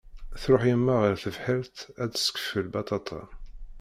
Tṛuḥ yemma ɣer tebḥirt ad d-tessekfel baṭaṭa.